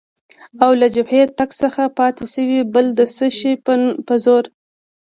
او له جبهې تګ څخه پاتې شوې، بل د څه شي په زور؟